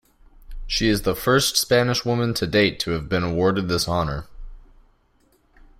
She is the first Spanish woman to date to have been awarded this honour.